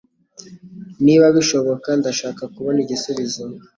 Niba bishoboka, ndashaka kubona igisubizo.